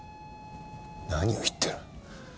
何を言ってる。